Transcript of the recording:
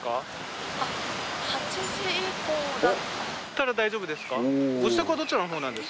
たら大丈夫ですか？